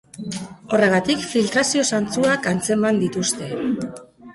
Horregatik, filtrazio zantzuak antzeman dituzte.